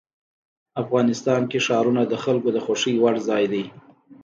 افغانستان کې ښارونه د خلکو د خوښې وړ ځای دی.